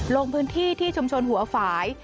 ลงพื้นที่ที่ชุมชนหัวฝ่าย